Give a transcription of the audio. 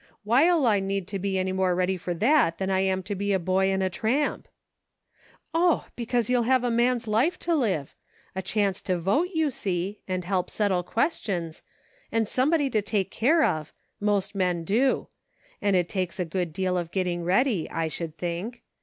" Why'll I need to be any more ready for that than I am to be a boy and a tramp .?"" Oh ! because you'll have a man's life to live ; a chance to vote, you see, and help settle questions, and somebody to take care of, most men do ; and it takes a good deal of getting ready, I should think.